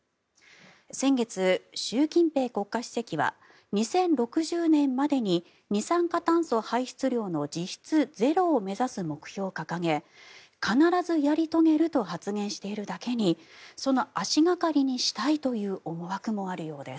先月、習近平国家主席は２０６０年までに二酸化炭素排出量の実質ゼロを目指す目標を掲げ必ずやり遂げると発言しているだけにその足掛かりにしたいという思惑もあるようです。